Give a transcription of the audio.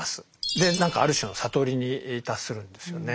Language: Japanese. で何かある種の悟りに達するんですよね。